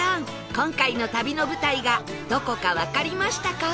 今回の旅の舞台がどこかわかりましたか？